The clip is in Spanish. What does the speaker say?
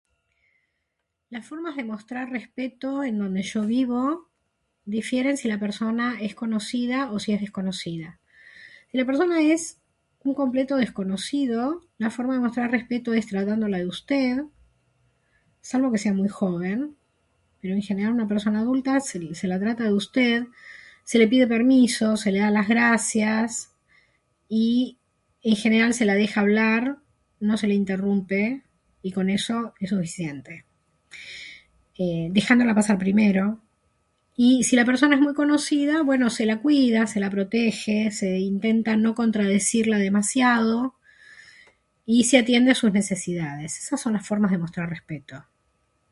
"Las formas de mostrar respeto en donde yo vivo difieren si la persona es conocida o si es desconocida. Si la persona es un completo desconocido la forma de mostrar respeto es tratándola de ""usted"", salvo que sea muy joven, pero en general a una persona adulta se (se) la trata de usted, se le pide permiso, se le da las gracias. Y, en general, se la deja hablar, no se la interrumpe y con eso, es suficiente... eh... dejándola pasar primero... Y si la persona es muy conocida, bueno, se la cuida, se la protege, se intenta no contradecirla demasiado y se atiende a sus necesidades. Esas son las formas de mostrar respeto."